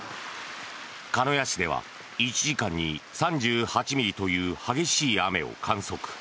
鹿屋市では１時間に３８ミリという激しい雨を観測。